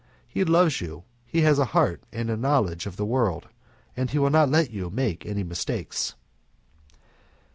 He loves you, he has a heart and knowledge of the world, and he will not let you make any mistakes."